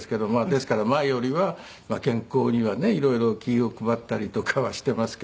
ですから前よりは健康にはね色々気を配ったりとかはしていますけども。